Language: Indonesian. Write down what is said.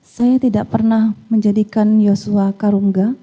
saya tidak pernah menjadikan yosua karungga